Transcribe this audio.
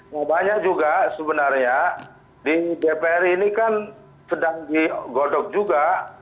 nah banyak juga sebenarnya di dpr ini kan sedang digodok juga